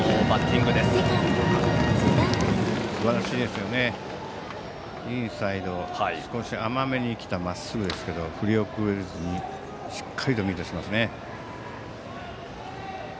インサイド、少し甘めに来たまっすぐでしたけど振り遅れずにしっかりとミートしていますね。